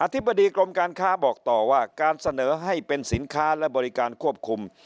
ธิบดีกรมการค้าบอกต่อว่าการเสนอให้เป็นสินค้าและบริการควบคุม